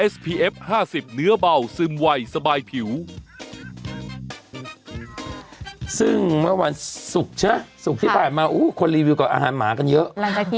ซึ่งเมื่อวันสุกใช่ละสุกที่ปลาดมอร์ทควรรีวิวกับอาหารมหากันเยอะ